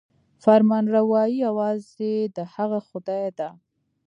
فرمانروايي یوازې د هغه خدای ده.